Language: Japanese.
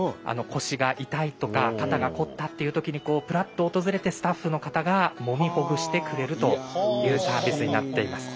腰が痛いとか肩が凝ったっていうときにぷらっと訪れてスタッフの方がもみほぐしてくれるというサービスになっています。